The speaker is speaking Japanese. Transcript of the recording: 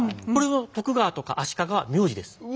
これは徳川とか足利は名字です。